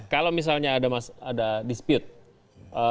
kalau misalnya ada dispute